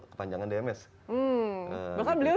kepanjangan dms bahkan beliau